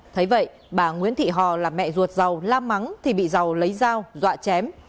thấy vậy bà nguyễn thị hò là mẹ ruột giàu la mắng thì bị giàu lấy dao dọa chém